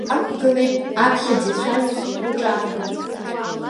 Даақәгылеит аԥхьаӡа ицәажәоз кәыҿаа рбырг.